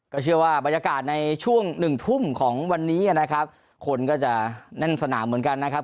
เชื่อว่าบรรยากาศในช่วงหนึ่งทุ่มของวันนี้นะครับคนก็จะแน่นสนามเหมือนกันนะครับ